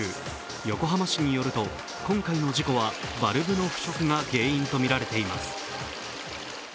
横浜市によると今回の事故はバルブの腐食が原因とみられています。